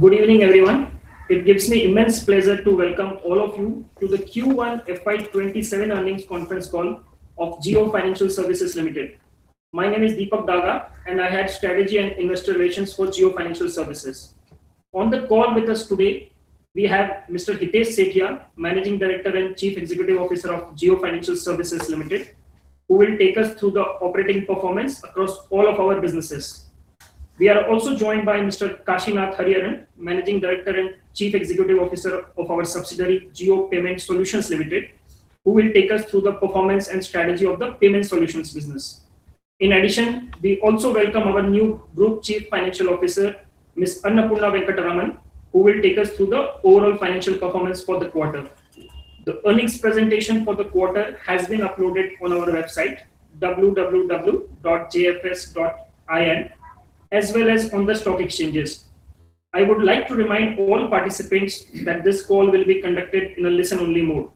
Good evening, everyone. It gives me immense pleasure to welcome all of you to the Q1 FY 2027 Earnings Conference Call of Jio Financial Services Limited. My name is Dipak Daga, and I Head Strategy and Investor Relations for Jio Financial Services. On the call with us today, we have Mr. Hitesh Sethia, Managing Director and Chief Executive Officer of Jio Financial Services Limited, who will take us through the operating performance across all of our businesses. We are also joined by Mr. Kashinath Hariharan, Managing Director and Chief Executive Officer of our subsidiary, Jio Payment Solutions Limited, who will take us through the performance and strategy of the payment solutions business. In addition, we also welcome our new Group Chief Financial Officer, Ms. Annapoorna Venkataramanan, who will take us through the overall financial performance for the quarter. The earnings presentation for the quarter has been uploaded on our website, www.jfs.in, as well as on the stock exchanges. I would like to remind all participants that this call will be conducted in a listen-only mode.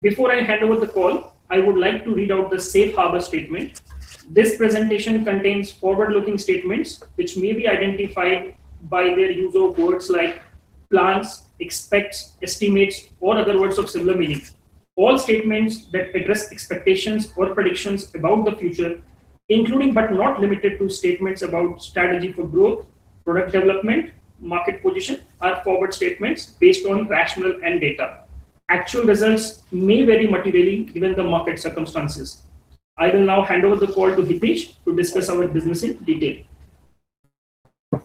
Before I hand over the call, I would like to read out the safe harbor statement. This presentation contains forward-looking statements, which may be identified by their use of words like plans, expects, estimates, or other words of similar meaning. All statements that address expectations or predictions about the future, including but not limited to statements about strategy for growth, product development, market position, are forward statements based on rationale and data. Actual results may vary materially, given the market circumstances. I will now hand over the call to Hitesh to discuss our business in detail.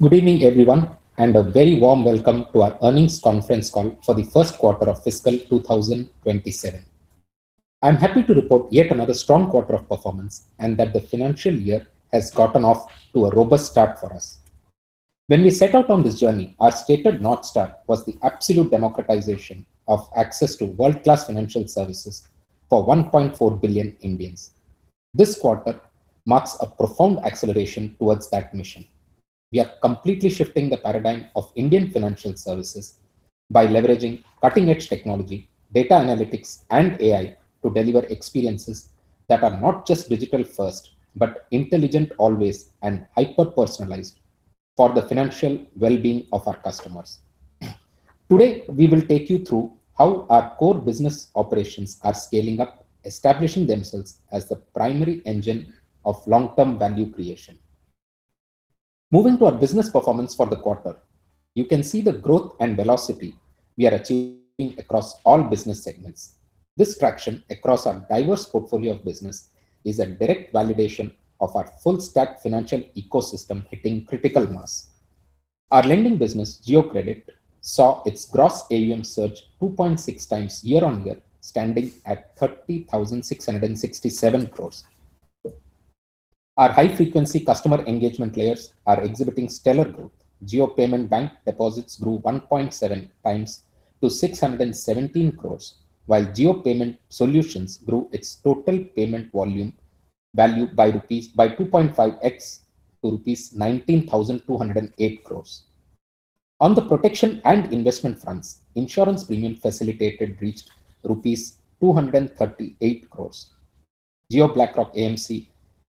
Good evening, everyone, and a very warm welcome to our earnings conference call for the first quarter of fiscal 2027. I'm happy to report yet another strong quarter of performance and that the financial year has gotten off to a robust start for us. When we set out on this journey, our stated North Star was the absolute democratization of access to world-class financial services for 1.4 billion Indians. This quarter marks a profound acceleration towards that mission. We are completely shifting the paradigm of Indian financial services by leveraging cutting-edge technology, data analytics, and AI to deliver experiences that are not just digital first, but intelligent always and hyper-personalized for the financial well-being of our customers. Today, we will take you through how our core business operations are scaling up, establishing themselves as the primary engine of long-term value creation. Moving to our business performance for the quarter, you can see the growth and velocity we are achieving across all business segments. This traction across our diverse portfolio of business is a direct validation of our full-stack financial ecosystem hitting critical mass. Our lending business, Jio Credit, saw its gross AUM surge 2.6x year-on-year, standing at INR 30,667 crore. Our high-frequency customer engagement layers are exhibiting stellar growth. Jio Payments Bank deposits grew 1.7x to 617 crore, while Jio Payment Solutions grew its total payment volume value by 2.5x to rupees 19,208 crore. On the protection and investment fronts, insurance premium facilitated reached rupees 238 crore. JioBlackRock AMC,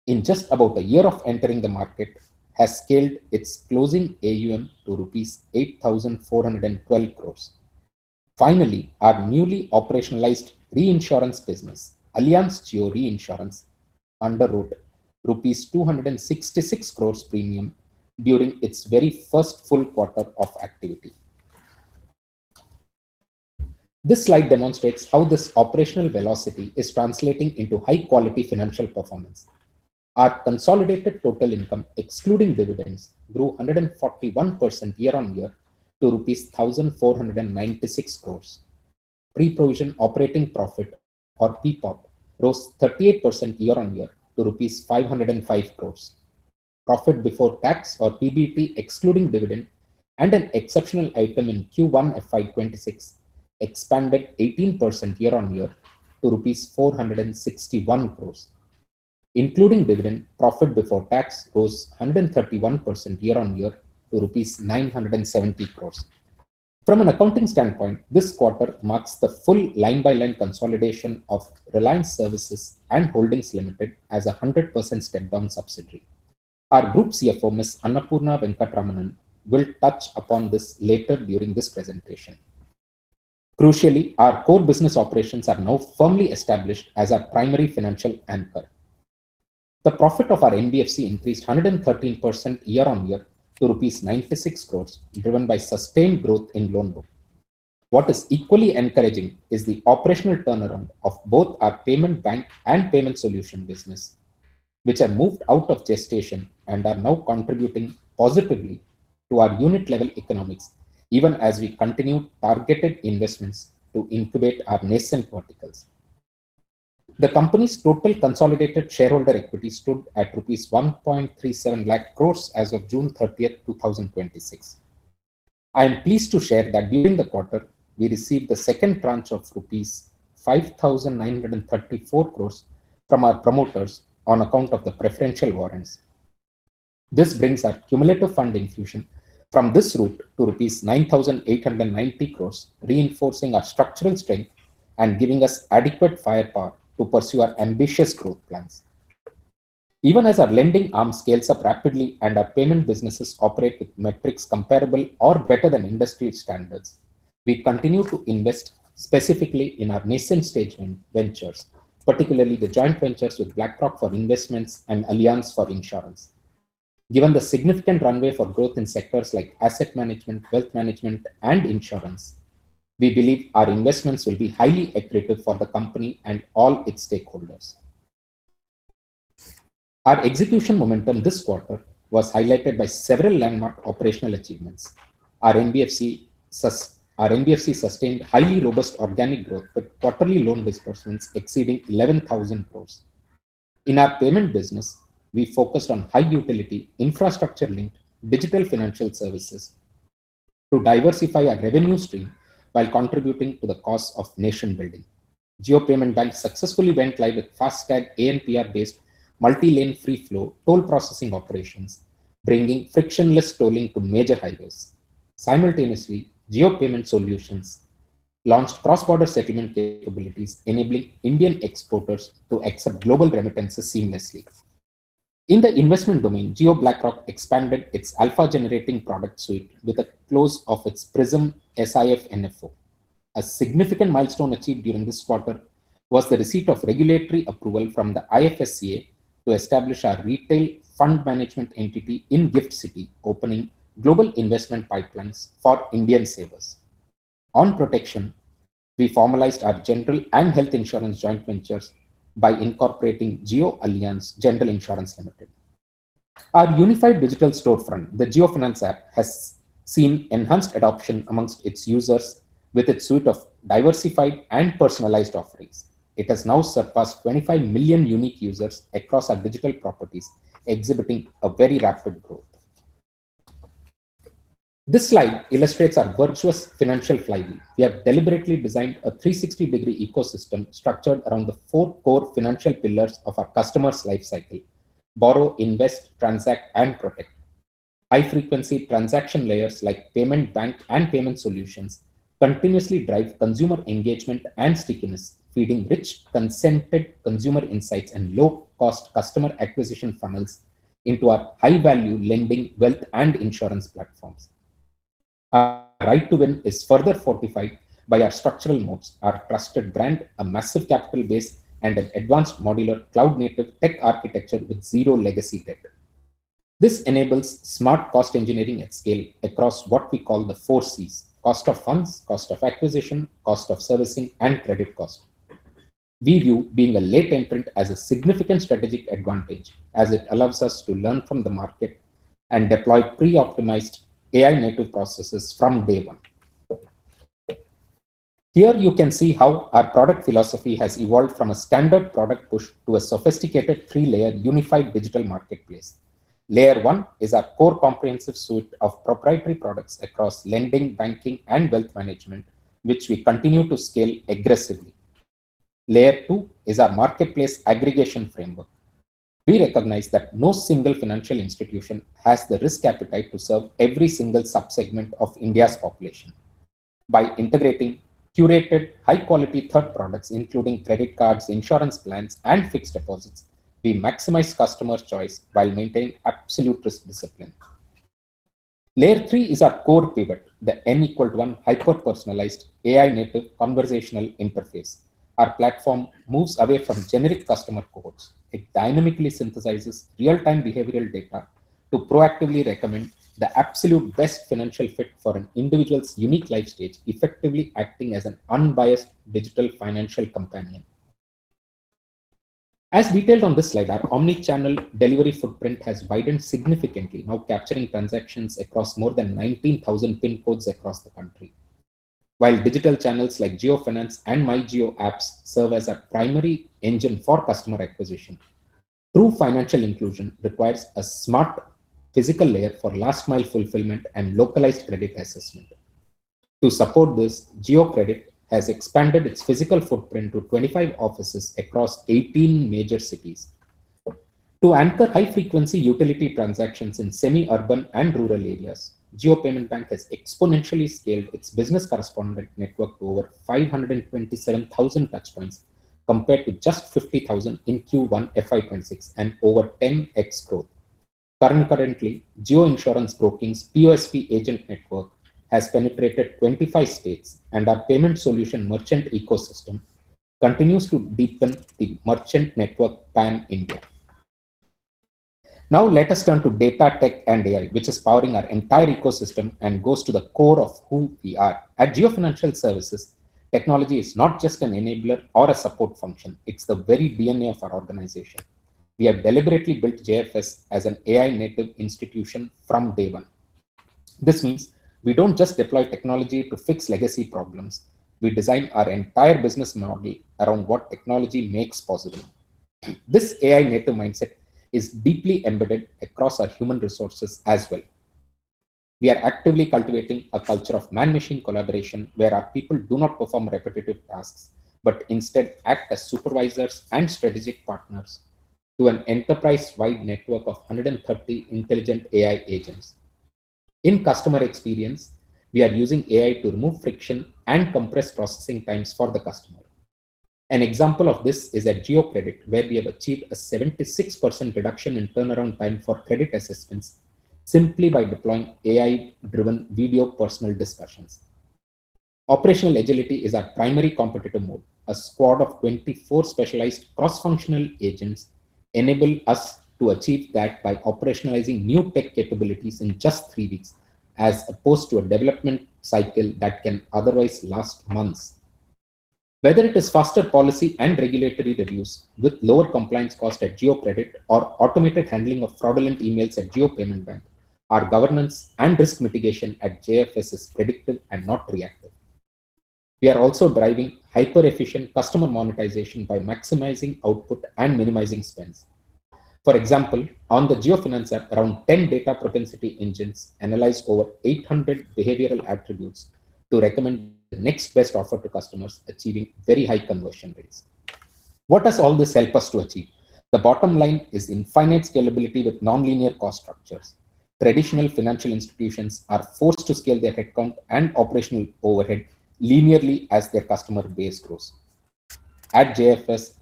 in just about a year of entering the market, has scaled its closing AUM to 8,412 crore. Finally, our newly operationalized reinsurance business, Allianz Jio Reinsurance, underwrote rupees 266 crores premium during its very first full quarter of activity. This slide demonstrates how this operational velocity is translating into high-quality financial performance. Our consolidated total income, excluding dividends, grew 141% year-on-year to rupees 1,496 crores. Pre-provision operating profit, or PPOP, rose 38% year-on-year to rupees 505 crores. Profit before tax, or PBT, excluding dividend and an exceptional item in Q1 FY 2026, expanded 18% year-on-year to rupees 461 crores. Including dividend, profit before tax rose 131% year-on-year to rupees 970 crores. From an accounting standpoint, this quarter marks the full line-by-line consolidation of Reliance Services and Holdings Limited as a 100% step-down subsidiary. Our Group CFO, Ms. Annapoorna Venkataramanan, will touch upon this later during this presentation. Crucially, our core business operations are now firmly established as our primary financial anchor. The profit of our NBFC increased 113% year-on-year to rupees 96 crores, driven by sustained growth in loan book. What is equally encouraging is the operational turnaround of both our Payments Bank and Payment Solution business, which have moved out of gestation and are now contributing positively to our unit-level economics, even as we continue targeted investments to incubate our nascent verticals. The company's total consolidated shareholder equity stood at rupees 1.37 lakh crores as of June 30th, 2026. I am pleased to share that during the quarter, we received the second tranche of rupees 5,934 crores from our promoters on account of the preferential warrants. This brings our cumulative fund infusion from this route to rupees 9,890 crores, reinforcing our structural strength and giving us adequate firepower to pursue our ambitious growth plans. Even as our lending arm scales up rapidly and our payment businesses operate with metrics comparable or better than industry standards, we continue to invest specifically in our nascent stage ventures, particularly the joint ventures with BlackRock for investments and Allianz for insurance. Given the significant runway for growth in sectors like asset management, wealth management and insurance, we believe our investments will be highly accretive for the company and all its stakeholders. Our execution momentum this quarter was highlighted by several landmark operational achievements. Our NBFC sustained highly robust organic growth, with quarterly loan disbursements exceeding 11,000 crores. In our payment business, we focused on high utility, infrastructure-linked digital financial services to diversify our revenue stream while contributing to the cause of nation building. Jio Payments Bank successfully went live with FASTag ANPR-based multi-lane free flow toll processing operations, bringing frictionless tolling to major highways. Simultaneously, Jio Payment Solutions launched cross-border settlement capabilities, enabling Indian exporters to accept global remittances seamlessly. In the investment domain, JioBlackRock expanded its alpha-generating product suite with the close of its Prism SIF NFO. A significant milestone achieved during this quarter was the receipt of regulatory approval from the IFSC to establish our retail fund management entity in Gift City, opening global investment pipelines for Indian savers. On protection, we formalized our general and health insurance joint ventures by incorporating Jio Allianz General Insurance Limited. Our unified digital storefront, the JioFinance app, has seen enhanced adoption amongst its users with its suite of diversified and personalized offerings. It has now surpassed 25 million unique users across our digital properties, exhibiting a very rapid growth. This slide illustrates our virtuous financial flywheel. We have deliberately designed a 360-degree ecosystem structured around the four core financial pillars of our customers' life cycle: borrow, invest, transact, and protect. High-frequency transaction layers like Payments Bank and Payment Solutions continuously drive consumer engagement and stickiness, feeding rich consented consumer insights and low-cost customer acquisition funnels into our high-value lending, wealth, and insurance platforms. Our right to win is further fortified by our structural moats, our trusted brand, a massive capital base, and an advanced modular cloud-native tech architecture with zero legacy tech. This enables smart cost engineering at scale across what we call the four Cs: cost of funds, cost of acquisition, cost of servicing, and credit cost. We view being a late entrant as a significant strategic advantage, as it allows us to learn from the market and deploy pre-optimized AI-native processes from day one. Here you can see how our product philosophy has evolved from a standard product push to a sophisticated three-layered unified digital marketplace. Layer 1 is our core comprehensive suite of proprietary products across lending, banking, and wealth management, which we continue to scale aggressively. Layer 2 is our marketplace aggregation framework. We recognize that no single financial institution has the risk appetite to serve every single subsegment of India's population. By integrating curated high-quality third products, including credit cards, insurance plans, and fixed deposits, we maximize customers' choice while maintaining absolute risk discipline. Layer 3 is our core pivot, the N=1 hyper-personalized AI-native conversational interface. Our platform moves away from generic customer cohorts. It dynamically synthesizes real-time behavioral data to proactively recommend the absolute best financial fit for an individual's unique life stage, effectively acting as an unbiased digital financial companion. As detailed on this slide, our omnichannel delivery footprint has widened significantly, now capturing transactions across more than 19,000 PIN codes across the country. While digital channels like JioFinance and MyJio apps serve as our primary engine for customer acquisition, true financial inclusion requires a smart physical layer for last-mile fulfillment and localized credit assessment. To support this, Jio Credit has expanded its physical footprint to 25 offices across 18 major cities. To anchor high-frequency utility transactions in semi-urban and rural areas, Jio Payments Bank has exponentially scaled its business correspondent network to over 527,000 touchpoints, compared to just 50,000 in Q1 FY 2026, an over 10x growth. Concurrently, Jio Insurance Broking's PoS agent network has penetrated 25 states, and our payment solution merchant ecosystem continues to deepen the merchant network pan-India. Now let us turn to data tech and AI, which is powering our entire ecosystem and goes to the core of who we are. At Jio Financial Services, technology is not just an enabler or a support function, it's the very DNA of our organization. We have deliberately built JFS as an AI-native institution from day one. This means we don't just deploy technology to fix legacy problems, we design our entire business model around what technology makes possible. This AI-native mindset is deeply embedded across our human resources as well. We are actively cultivating a culture of man-machine collaboration where our people do not perform repetitive tasks, but instead act as supervisors and strategic partners to an enterprise-wide network of 130 intelligent AI agents. In customer experience, we are using AI to remove friction and compress processing times for the customer. An example of this is at Jio Credit, where we have achieved a 76% reduction in turnaround time for credit assessments simply by deploying AI-driven video personal discussions. Operational agility is our primary competitive mode. A squad of 24 specialized cross-functional agents enable us to achieve that by operationalizing new tech capabilities in just three weeks, as opposed to a development cycle that can otherwise last months. Whether it is faster policy and regulatory reviews with lower compliance cost at Jio Credit or automated handling of fraudulent emails at Jio Payments Bank, our governance and risk mitigation at JFS is predictive and not reactive. We are also driving hyper-efficient customer monetization by maximizing output and minimizing spends. For example, on the JioFinance app, around 10 data propensity engines analyze over 800 behavioral attributes to recommend the next best offer to customers, achieving very high conversion rates. What does all this help us to achieve? The bottom line is infinite scalability with nonlinear cost structures. Traditional financial institutions are forced to scale their headcount and operational overhead linearly as their customer base grows. At JFS,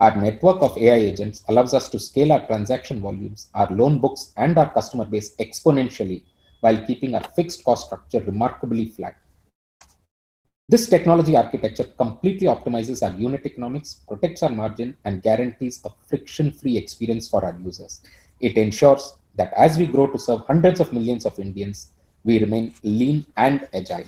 our network of AI agents allows us to scale our transaction volumes, our loan books, and our customer base exponentially while keeping our fixed cost structure remarkably flat. This technology architecture completely optimizes our unit economics, protects our margin, and guarantees a friction-free experience for our users. It ensures that as we grow to serve hundreds of millions of Indians, we remain lean and agile.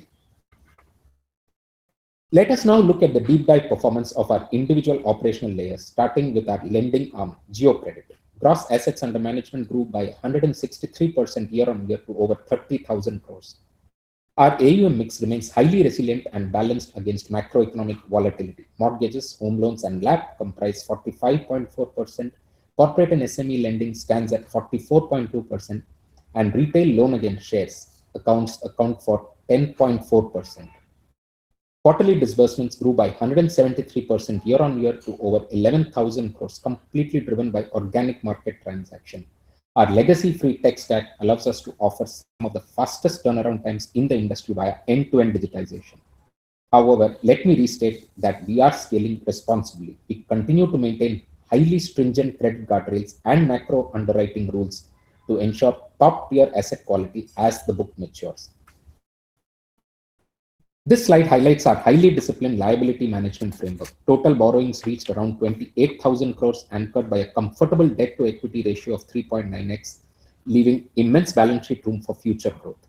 Let us now look at the deep dive performance of our individual operational layers, starting with our lending arm, Jio Credit. Gross assets under management grew by 163% year-on-year to over 30,000 crores. Our AUM mix remains highly resilient and balanced against macroeconomic volatility. Mortgages, home loans, and LAP comprise 45.4%, corporate and SME lending stands at 44.2%, and retail loan against shares accounts account for 10.4%. Quarterly disbursements grew by 173% year-on-year to over 11,000 crores, completely driven by organic market transaction. Our legacy free tech stack allows us to offer some of the fastest turnaround times in the industry via end-to-end digitization. However, let me restate that we are scaling responsibly. We continue to maintain highly stringent credit guardrails and macro underwriting rules to ensure top-tier asset quality as the book matures. This slide highlights our highly disciplined liability management framework. Total borrowings reached around 28,000 crores, anchored by a comfortable debt-to-equity ratio of 3.9x, leaving immense balance sheet room for future growth.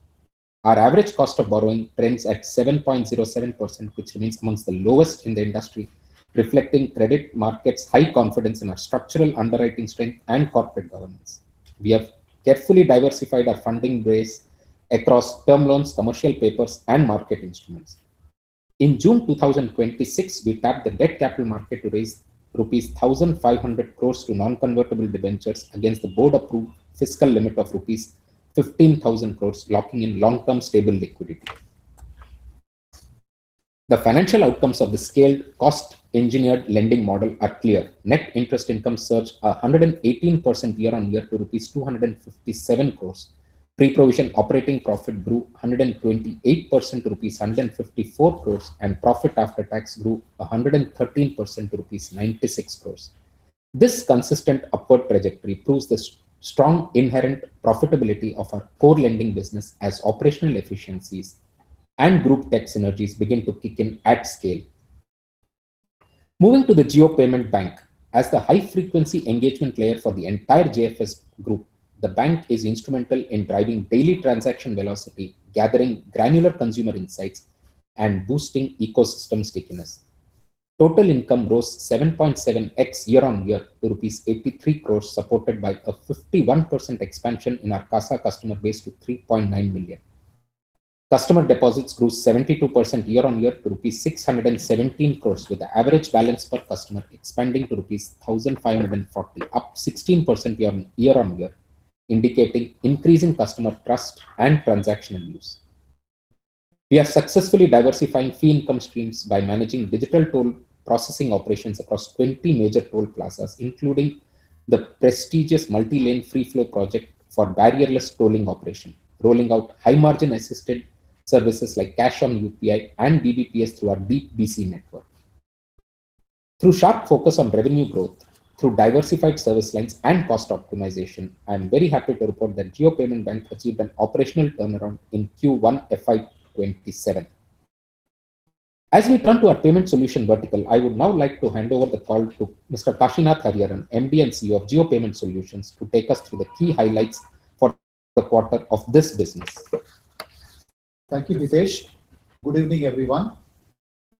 Our average cost of borrowing trends at 7.07%, which remains amongst the lowest in the industry, reflecting credit markets' high confidence in our structural underwriting strength and corporate governance. We have carefully diversified our funding base across term loans, commercial papers, and market instruments. In June 2026, we tapped the debt capital market to raise rupees 1,500 crores to non-convertible debentures against the board approved fiscal limit of rupees 15,000 crores, locking in long-term stable liquidity. The financial outcomes of the scaled cost engineered lending model are clear. Net interest income surged 118% year-on-year to rupees 257 crores. Pre-provision operating profit grew 128% to rupees 154 crores, and profit after tax grew 113% to rupees 96 crores. This consistent upward trajectory proves the strong inherent profitability of our core lending business as operational efficiencies and group tech synergies begin to kick in at scale. Moving to the Jio Payments Bank. As the high frequency engagement layer for the entire JFS Group, the bank is instrumental in driving daily transaction velocity, gathering granular consumer insights, and boosting ecosystem stickiness. Total income rose 7.7x year-on-year to rupees 83 crores, supported by a 51% expansion in our CASA customer base to 3.9 million. Customer deposits grew 72% year-on-year to rupees 617 crores, with the average balance per customer expanding to rupees 1,540, up 16% year-on-year, indicating increasing customer trust and transactional use. We are successfully diversifying fee income streams by managing digital toll processing operations across 20 major toll plazas, including the prestigious multi-lane free flow project for barrier-less tolling operation, rolling out high margin assisted services like cash on UPI and BBPS through our BC network. Through sharp focus on revenue growth through diversified service lines and cost optimization, I am very happy to report that Jio Payments Bank achieved an operational turnaround in Q1 FY 2027. As we turn to our payment solutions vertical, I would now like to hand over the call to Mr. Kashinath Hariharan, MD & CEO of Jio Payment Solutions, to take us through the key highlights for the quarter of this business. Thank you, Hitesh. Good evening, everyone.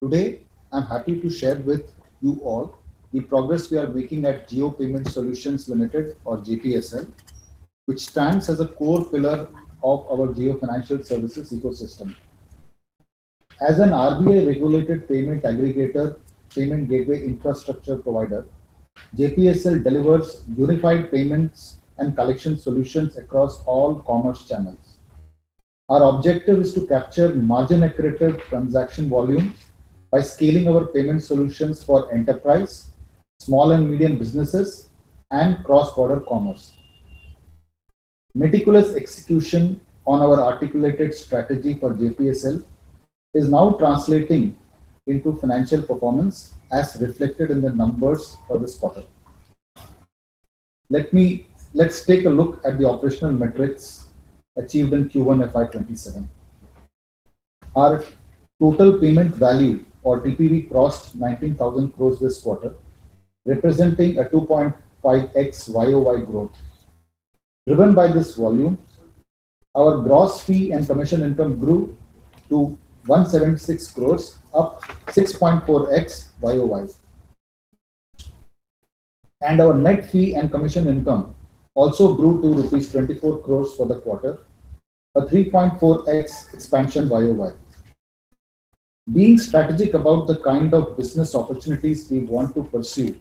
Today, I am happy to share with you all the progress we are making at Jio Payment Solutions Limited or JPSL, which stands as a core pillar of our Jio Financial Services ecosystem. As an RBI regulated payment aggregator, payment gateway infrastructure provider, JPSL delivers unified payments and collection solutions across all commerce channels. Our objective is to capture margin-accretive transaction volumes by scaling our payment solutions for enterprise small and medium businesses, and cross-border commerce. Meticulous execution on our articulated strategy for JPSL is now translating into financial performance, as reflected in the numbers for this quarter. Let's take a look at the operational metrics achieved in Q1 FY 2027. Our total payment value, or TPV, crossed 19,000 crores this quarter, representing a 2.5x YoY growth. Driven by this volume, our gross fee and commission income grew to 176 crores, up 6.4x YoY. Our net fee and commission income also grew to rupees 24 crores for the quarter, a 3.4x expansion YoY. Being strategic about the kind of business opportunities we want to pursue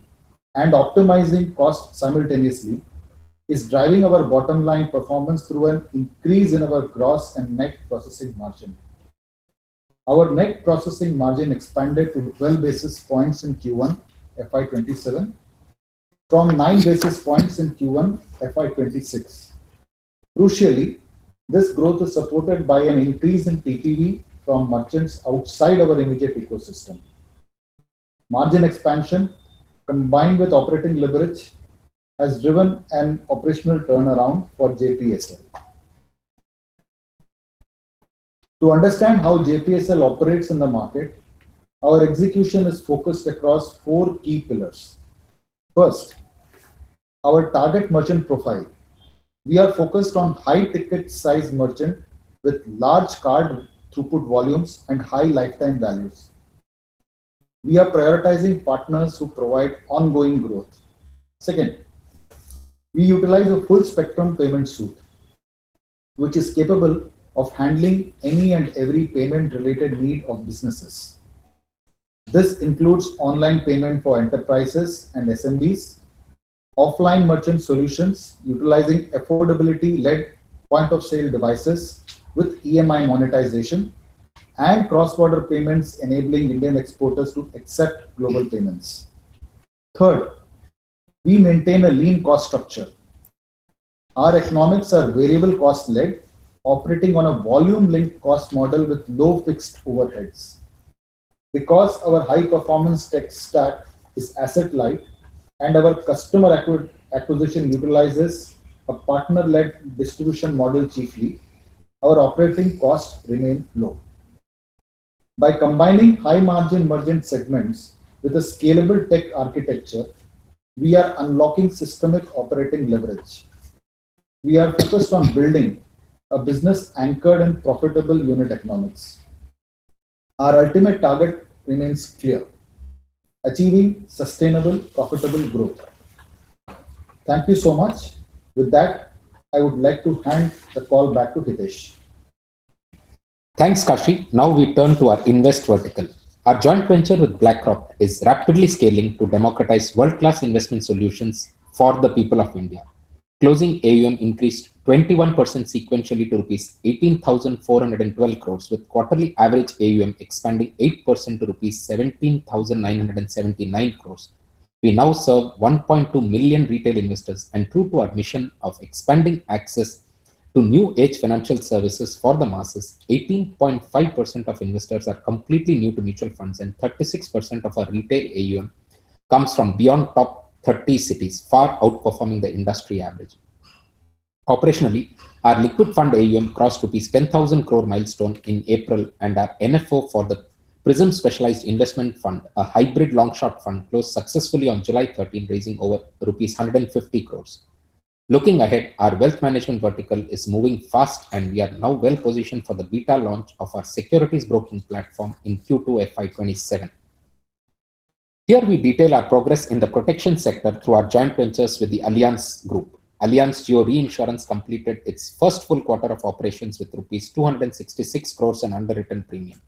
and optimizing costs simultaneously is driving our bottom-line performance through an increase in our gross and net processing margin. Our net processing margin expanded to 12 basis points in Q1 FY 2027 from 9 basis points in Q1 FY 2026. Crucially, this growth is supported by an increase in TPV from merchants outside our immediate ecosystem. Margin expansion, combined with operating leverage, has driven an operational turnaround for JPSL. To understand how JPSL operates in the market, our execution is focused across four key pillars. First, our target merchant profile. We are focused on high-ticket size merchant with large card throughput volumes and high lifetime values. We are prioritizing partners who provide ongoing growth. Second, we utilize a full-spectrum payment suite, which is capable of handling any and every payment-related need of businesses. This includes online payment for enterprises and SMBs; offline merchant solutions utilizing affordability-led point-of-sale devices with EMI monetization; and cross-border payments enabling Indian exporters to accept global payments. Third, we maintain a lean cost structure. Our economics are variable cost-led, operating on a volume-linked cost model with low fixed overheads. Because our high-performance tech stack is asset-light and our customer acquisition utilizes a partner-led distribution model chiefly, our operating costs remain low. By combining high-margin merchant segments with a scalable tech architecture, we are unlocking systemic operating leverage. We are focused on building a business anchored in profitable unit economics. Our ultimate target remains clear: achieving sustainable, profitable growth. Thank you so much. With that, I would like to hand the call back to Hitesh. Thanks, Kashi. We turn to our invest vertical. Our joint venture with BlackRock is rapidly scaling to democratize world-class investment solutions for the people of India. Closing AUM increased 21% sequentially to rupees 18,412 crores, with quarterly average AUM expanding 8% to rupees 17,979 crores. We now serve 1.2 million retail investors, and true to our mission of expanding access to new age financial services for the masses, 18.5% of investors are completely new to mutual funds, and 36% of our retail AUM comes from beyond top 30 cities, far outperforming the industry average. Operationally, our liquid fund AUM crossed rupees 10,000 crore milestone in April, and our NFO for the Prism Specialised Investment Fund, a hybrid long-short fund, closed successfully on July 13, raising over rupees 150 crores. Looking ahead, our wealth management vertical is moving fast, and we are now well-positioned for the beta launch of our securities broking platform in Q2 FY 2027. Here we detail our progress in the protection sector through our joint ventures with the Allianz Group. Allianz Jio Reinsurance completed its first full quarter of operations with rupees 266 crores in underwritten premium.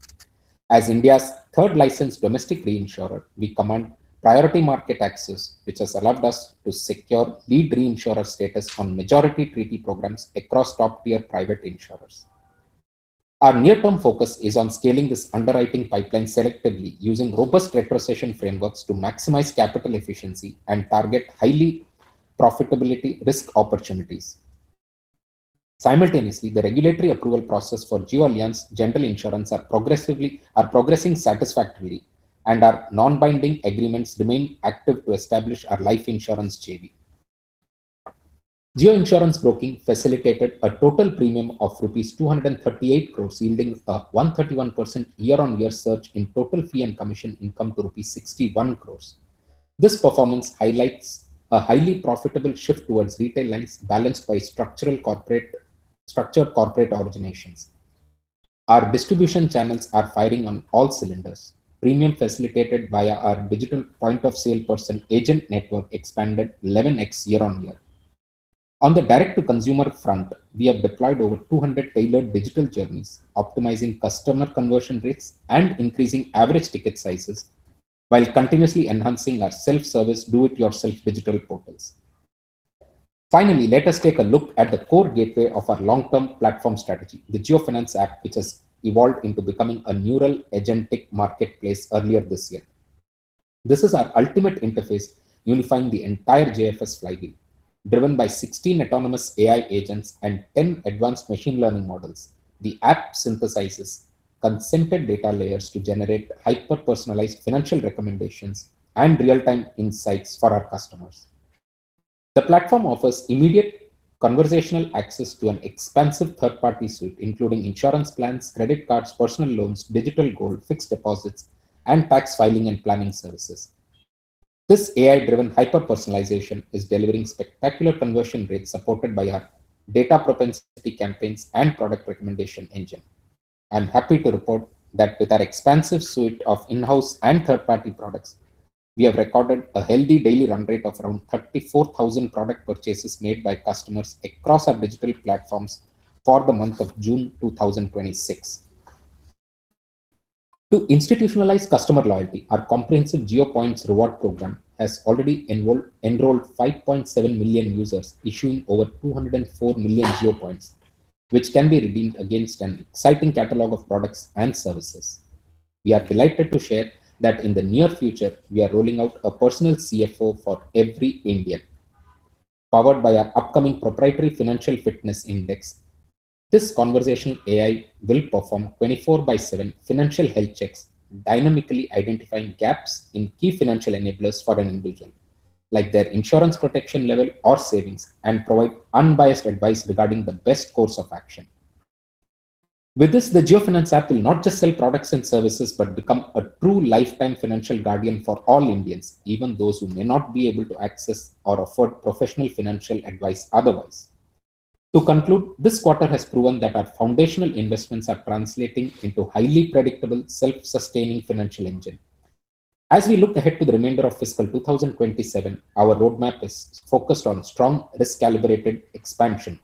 As India's third licensed domestic reinsurer, we command priority market access, which has allowed us to secure lead reinsurer status on majority treaty programs across top tier private insurers. Our near-term focus is on scaling this underwriting pipeline selectively, using robust retrocession frameworks to maximize capital efficiency and target high profitability risk opportunities. Simultaneously, the regulatory approval process for Jio Allianz General Insurance are progressing satisfactorily, our non-binding agreements remain active to establish our life insurance JV. Jio Insurance Broking facilitated a total premium of rupees 238 crores, yielding a 131% year-on-year surge in total fee and commission income to rupees 61 crores. This performance highlights a highly profitable shift towards retail lines balanced by structured corporate originations. Our distribution channels are firing on all cylinders. Premium facilitated via our digital point of sale person agent network expanded 11x year-on-year. On the direct-to-consumer front, we have deployed over 200 tailored digital journeys, optimizing customer conversion rates and increasing average ticket sizes while continuously enhancing our self-service do-it-yourself digital portals. Finally, let us take a look at the core gateway of our long-term platform strategy, the JioFinance app, which has evolved into becoming a neural agentic marketplace earlier this year. This is our ultimate interface, unifying the entire JFS flywheel. Driven by 16 autonomous AI agents and 10 advanced machine learning models, the app synthesizes consented data layers to generate hyper-personalized financial recommendations and real-time insights for our customers. The platform offers immediate conversational access to an expansive third-party suite, including insurance plans, credit cards, personal loans, digital gold, fixed deposits, and tax filing and planning services. This AI-driven hyper-personalization is delivering spectacular conversion rates, supported by our data propensity campaigns and product recommendation engine. I'm happy to report that with our expansive suite of in-house and third-party products, we have recorded a healthy daily run rate of around 34,000 product purchases made by customers across our digital platforms for the month of June 2026. To institutionalize customer loyalty, our comprehensive JioPoints reward program has already enrolled 5.7 million users, issuing over 204 million JioPoints, which can be redeemed against an exciting catalog of products and services. We are delighted to share that in the near future, we are rolling out a personal CFO for every Indian. Powered by our upcoming proprietary financial fitness index, this conversational AI will perform 24/7 financial health checks, dynamically identifying gaps in key financial enablers for an individual, like their insurance protection level or savings, and provide unbiased advice regarding the best course of action. With this, the JioFinance app will not just sell products and services, but become a true lifetime financial guardian for all Indians, even those who may not be able to access or afford professional financial advice otherwise. To conclude, this quarter has proven that our foundational investments are translating into a highly predictable, self-sustaining financial engine. As we look ahead to the remainder of fiscal 2027, our roadmap is focused on strong risk-calibrated expansion.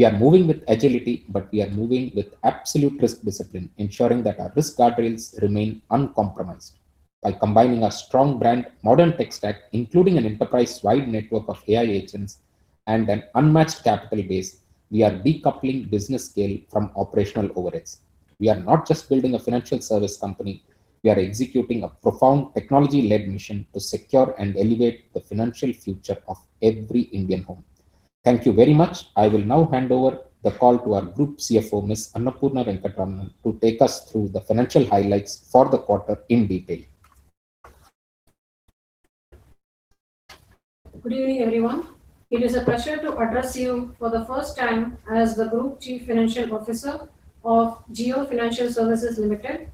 We are moving with agility, we are moving with absolute risk discipline, ensuring that our risk guardrails remain uncompromised. By combining a strong brand, modern tech stack, including an enterprise-wide network of AI agents and an unmatched capital base, we are decoupling business scale from operational overheads. We are not just building a financial service company, we are executing a profound technology-led mission to secure and elevate the financial future of every Indian home. Thank you very much. I will now hand over the call to our Group CFO, Ms. Annapoorna Venkataramanan, to take us through the financial highlights for the quarter in detail. Good evening, everyone. It is a pleasure to address you for the first time as the Group Chief Financial Officer of Jio Financial Services Limited,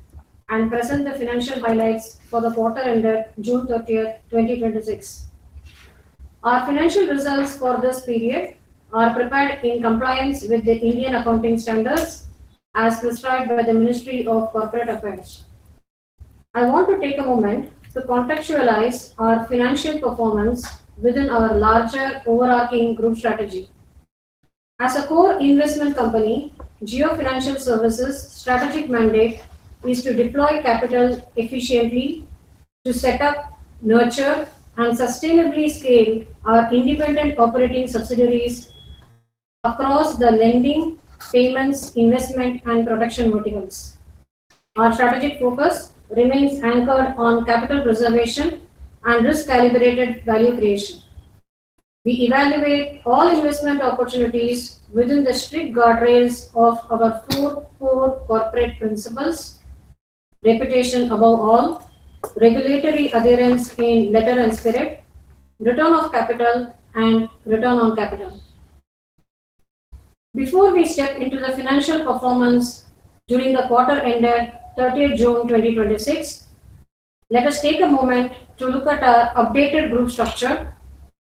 and present the financial highlights for the quarter ended June 30th, 2026. Our financial results for this period are prepared in compliance with the Indian Accounting Standards as prescribed by the Ministry of Corporate Affairs. I want to take a moment to contextualize our financial performance within our larger overarching group strategy. As a core investment company, Jio Financial Services' strategic mandate is to deploy capital efficiently to set up, nurture, and sustainably scale our independent operating subsidiaries across the lending, payments, investment, and production verticals. Our strategic focus remains anchored on capital preservation and risk-calibrated value creation. We evaluate all investment opportunities within the strict guardrails of our four core corporate principles: reputation above all, regulatory adherence in letter and spirit, return of capital, and return on capital. Before we step into the financial performance during the quarter ended 30th June 2026, let us take a moment to look at our updated group structure,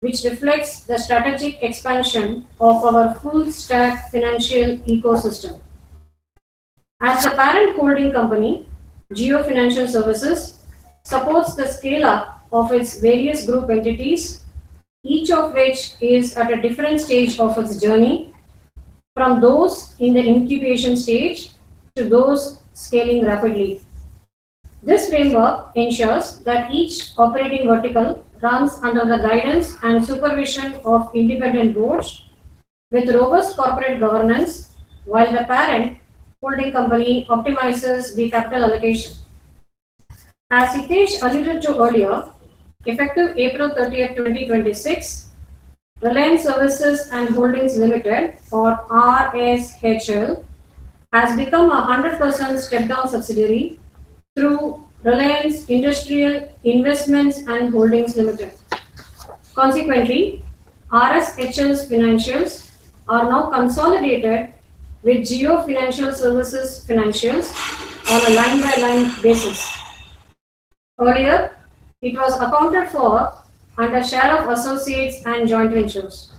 which reflects the strategic expansion of our full-stack financial ecosystem. As a parent holding company, Jio Financial Services supports the scale-up of its various group entities, each of which is at a different stage of its journey, from those in the incubation stage to those scaling rapidly. This framework ensures that each operating vertical runs under the guidance and supervision of independent boards with robust corporate governance, while the parent holding company optimizes the capital allocation. As Hitesh alluded to earlier, effective April 30th, 2026, Reliance Services and Holdings Limited, or RSHL, has become a 100% step-down subsidiary through Reliance Industrial Investments and Holdings Limited. Consequently, RSHL's financials are now consolidated with Jio Financial Services financials on a line-by-line basis. Earlier, it was accounted for under share of associates and joint ventures.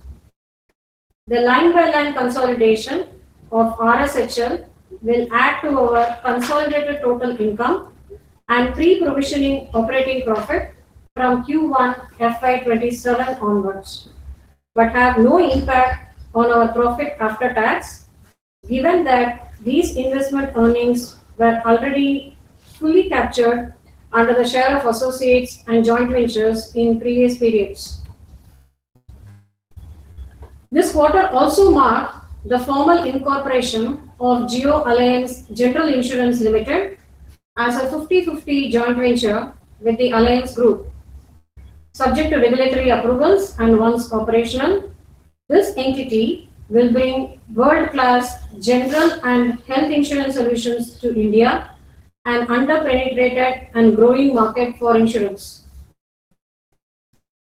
The line-by-line consolidation of RSHL will add to our consolidated total income and pre-provisioning operating profit from Q1 FY 2027 onwards but have no impact on our profit after tax. Given that these investment earnings were already fully captured under the share of associates and joint ventures in previous periods. This quarter also marked the formal incorporation of Jio Allianz General Insurance Limited as a 50/50 joint venture with the Allianz Group. Subject to regulatory approvals and once operational, this entity will bring world-class general and health insurance solutions to India, an under-penetrated and growing market for insurance.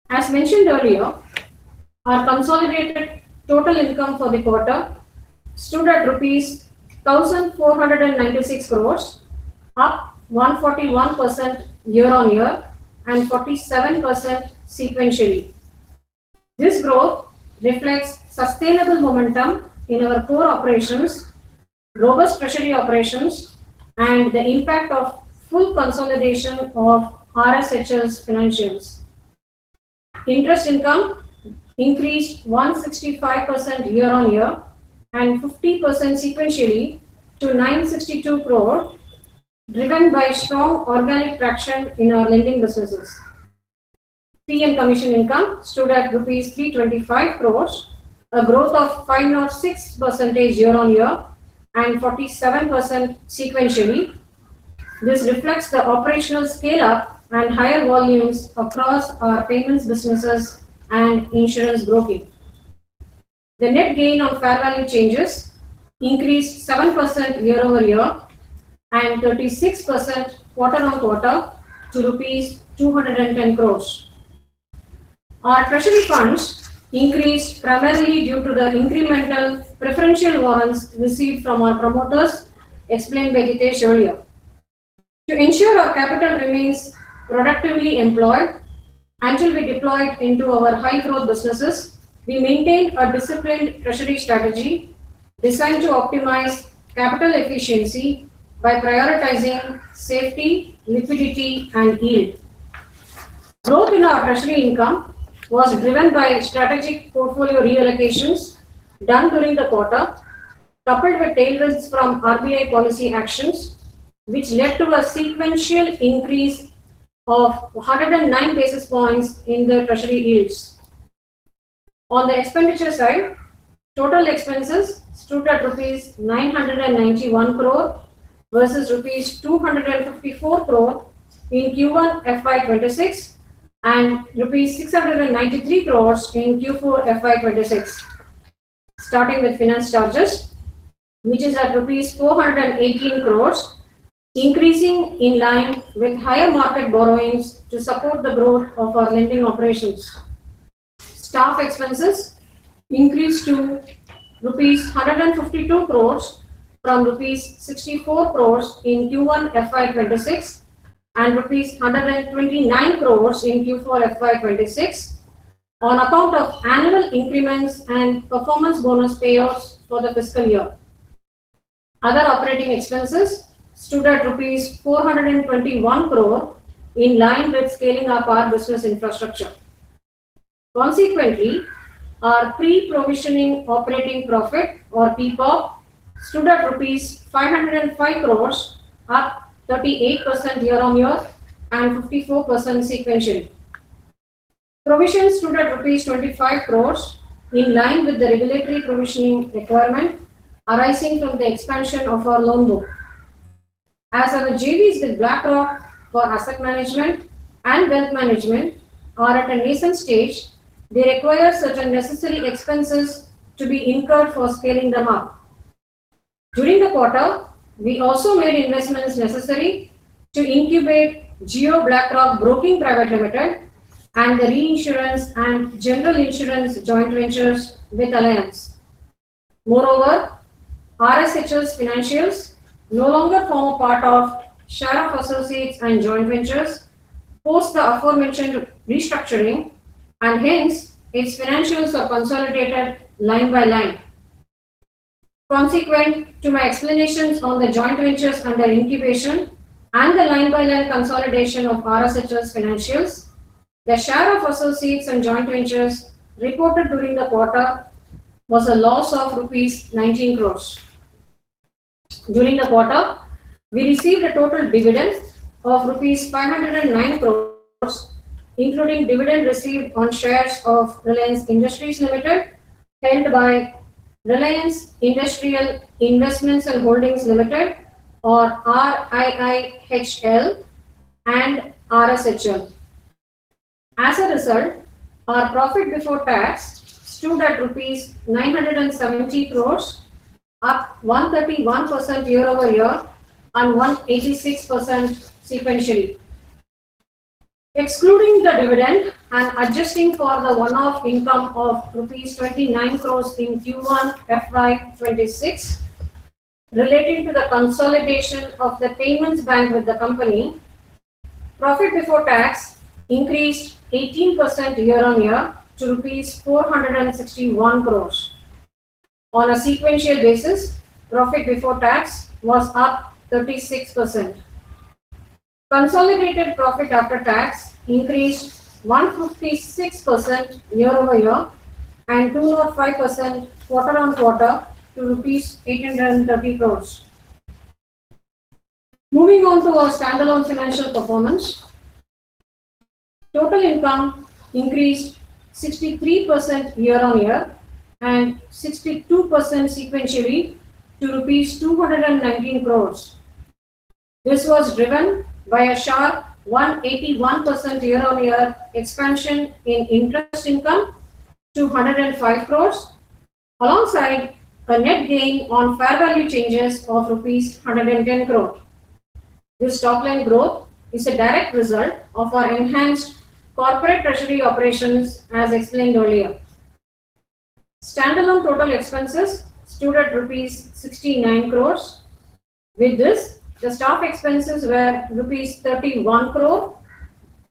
As mentioned earlier, our consolidated total income for the quarter stood at rupees 1,496 crores, up 141% year-on-year and 47% sequentially. This growth reflects sustainable momentum in our core operations, robust treasury operations, and the impact of full consolidation of RSHL's financials. Interest income increased 165% year-on-year and 50% sequentially to 962 crore, driven by strong organic traction in our lending businesses. Fee and commission income stood at INR 325 crores, a growth of 506% year-on-year and 47% sequentially. This reflects the operational scale-up and higher volumes across our payments businesses and insurance broking. The net gain on fair value changes increased 7% year-over-year and 36% quarter-on-quarter to rupees 210 crores. Our treasury funds increased primarily due to the incremental preferential warrants received from our promoters explained by Hitesh earlier. To ensure our capital remains productively employed and will be deployed into our high-growth businesses, we maintain a disciplined treasury strategy designed to optimize capital efficiency by prioritizing safety, liquidity, and yield. Growth in our treasury income was driven by strategic portfolio reallocations done during the quarter, coupled with tailwinds from RBI policy actions, which led to a sequential increase of 109 basis points in the treasury yields. On the expenditure side, total expenses stood at rupees 991 crore versus rupees 254 crore in Q1 FY 2026 and rupees 693 crores in Q4 FY 2026. Starting with finance charges, which is at rupees 418 crores, increasing in line with higher market borrowings to support the growth of our lending operations. Staff expenses increased to rupees 152 crores from rupees 64 crores in Q1 FY 2026 and rupees 129 crores in Q4 FY 2026 on account of annual increments and performance bonus payoffs for the fiscal year. Other operating expenses stood at rupees 421 crores, in line with scaling up our business infrastructure. Consequently, our pre-provisioning operating profit or PPOP stood at INR 505 crores, up 38% year-over-year and 54% sequentially. Provision stood at rupees 25 crores, in line with the regulatory provisioning requirement arising from the expansion of our loan book. As our JVs with BlackRock for asset management and wealth management are at a recent stage, they require certain necessary expenses to be incurred for scaling them up. During the quarter, we also made investments necessary to incubate JioBlackRock Broking Private Limited and the reinsurance and general insurance joint ventures with Allianz. RSHL's financials no longer form a part of share of associates and joint ventures post the aforementioned restructuring, and hence, its financials are consolidated line by line. Consequent to my explanations on the joint ventures under incubation and the line-by-line consolidation of RSHL's financials, the share of associates and joint ventures reported during the quarter was a loss of rupees 19 crores. During the quarter, we received a total dividend of rupees 509 crores, including dividend received on shares of Reliance Industries Limited held by Reliance Industrial Investments and Holdings Limited or RIIHL and RSHL. As a result, our profit before tax stood at rupees 970 crores, up 131% year-over-year and 186% sequentially. Excluding the dividend and adjusting for the one-off income of rupees 29 crores in Q1 FY 2026 relating to the consolidation of the payments bank with the company, profit before tax increased 18% year-over-year to rupees 461 crores. On a sequential basis, profit before tax was up 36%. Consolidated profit after tax increased 156% year-over-year and 205% quarter-over-quarter to rupees 830 crores. Moving on to our standalone financial performance. Total income increased 63% year-over-year and 62% sequentially to rupees 219 crores. This was driven by a sharp 181% year-over-year expansion in interest income to 105 crores, alongside a net gain on fair value changes of rupees 110 crores. This top-line growth is a direct result of our enhanced corporate treasury operations, as explained earlier. Standalone total expenses stood at rupees 69 crores. With this, the staff expenses were rupees 31 crores,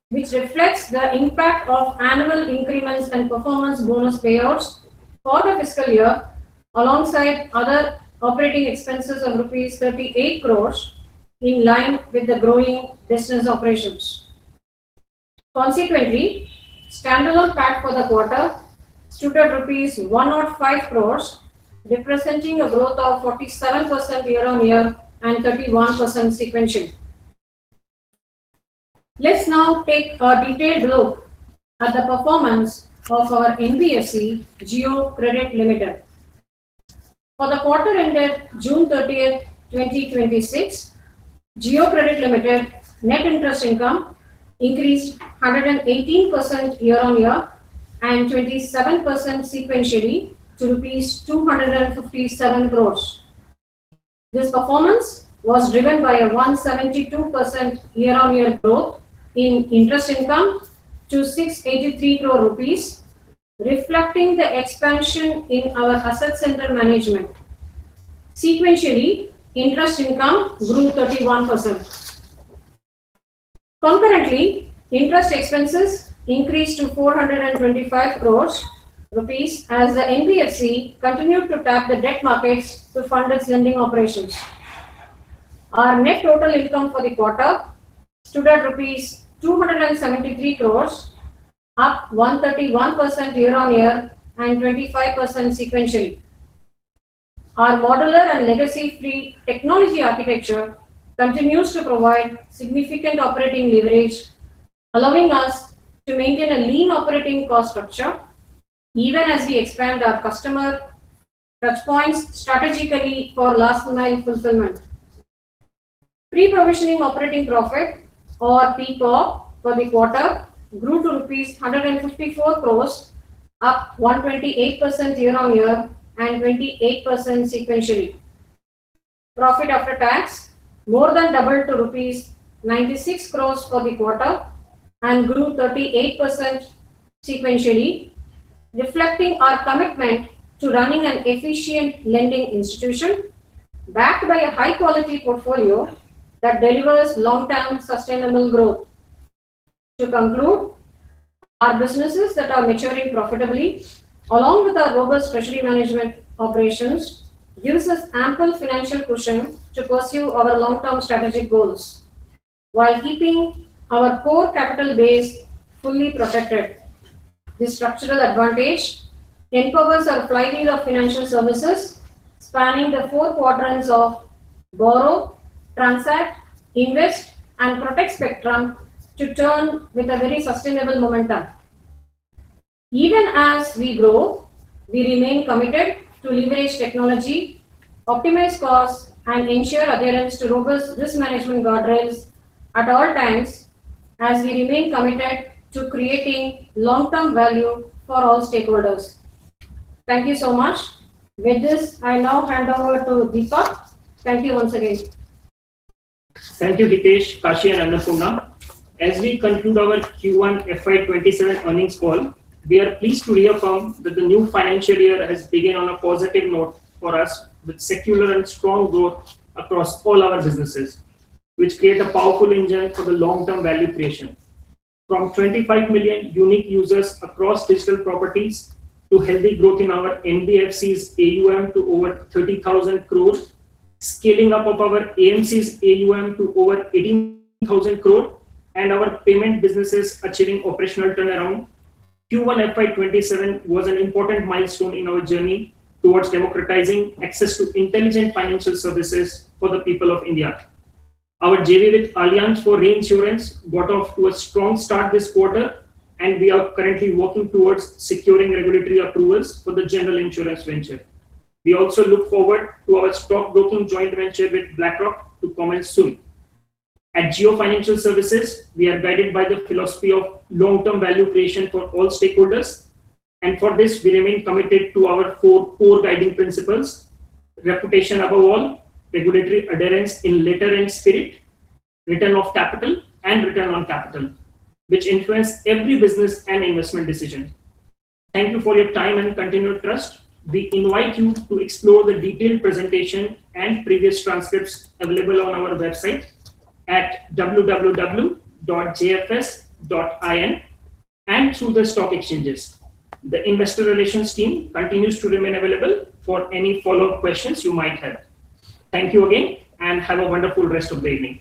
which reflects the impact of annual increments and performance bonus payouts for the fiscal year, alongside other operating expenses of rupees 38 crores, in line with the growing business operations. Consequently, standalone PAT for the quarter stood at rupees 105 crores, representing a growth of 47% year-over-year and 31% sequentially. Let's now take a detailed look at the performance of our NBFC, Jio Credit Limited. For the quarter ended June 30th, 2026, Jio Credit Limited net interest income increased 118% year-over-year and 27% sequentially to rupees 257 crores. This performance was driven by a 172% year-over-year growth in interest income to 683 crores rupees, reflecting the expansion in our asset under management. Sequentially, interest income grew 31%. Concurrently, interest expenses increased to 425 crore rupees as the NBFC continued to tap the debt markets to fund its lending operations. Our net total income for the quarter stood at rupees 273 crore, up 131% year-on-year and 25% sequentially. Our modular and legacy-free technology architecture continues to provide significant operating leverage, allowing us to maintain a lean operating cost structure even as we expand our customer touchpoints strategically for last mile fulfillment. Pre-provisioning operating profit or PPOP for the quarter grew to rupees 154 crore, up 128% year-on-year and 28% sequentially. Profit after tax more than doubled to rupees 96 crore for the quarter and grew 38% sequentially, reflecting our commitment to running an efficient lending institution backed by a high quality portfolio that delivers long-term sustainable growth. To conclude, our businesses that are maturing profitably, along with our robust treasury management operations, gives us ample financial cushion to pursue our long-term strategic goals while keeping our core capital base fully protected. This structural advantage empowers our clientele of financial services spanning the four quadrants of borrow, transact, invest, and protect spectrum to turn with a very sustainable momentum. Even as we grow, we remain committed to leverage technology, optimize costs, and ensure adherence to robust risk management guardrails at all times as we remain committed to creating long-term value for all stakeholders. Thank you so much. With this, I now hand over to Dipak. Thank you once again. Thank you, Hitesh, Kashi, and Annapoorna. As we conclude our Q1 FY 2027 earnings call, we are pleased to reaffirm that the new financial year has begun on a positive note for us with secular and strong growth across all our businesses, which create a powerful engine for the long-term value creation. From 25 million unique users across digital properties to healthy growth in our NBFC's AUM to over 30,000 crore, scaling up of our AMC's AUM to over 18,000 crore and our payment businesses achieving operational turnaround. Q1 FY 2027 was an important milestone in our journey towards democratizing access to intelligent financial services for the people of India. Our JV with Allianz for reinsurance got off to a strong start this quarter, and we are currently working towards securing regulatory approvals for the general insurance venture. We also look forward to our stockbroking joint venture with BlackRock to commence soon. At Jio Financial Services, we are guided by the philosophy of long-term value creation for all stakeholders, and for this, we remain committed to our four core guiding principles: Reputation above all, regulatory adherence in letter and spirit, return of capital, and return on capital, which influence every business and investment decision. Thank you for your time and continued trust. We invite you to explore the detailed presentation and previous transcripts available on our website at www.jfs.in and through the stock exchanges. The investor relations team continues to remain available for any follow-up questions you might have. Thank you again, and have a wonderful rest of the evening.